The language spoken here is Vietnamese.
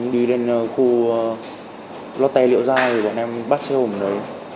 đi đến khu lót tè liệu dao thì bọn em bắt xe hồn đấy